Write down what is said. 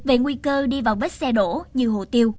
về nguy cơ đi vào vết xe đổ như hồ tiêu